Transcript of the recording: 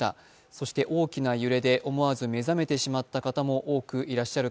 そして大きな揺れで思わず目覚めてしまった方も多くいらっしゃる